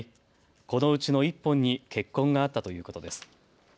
このうちの１本に血痕があったということです。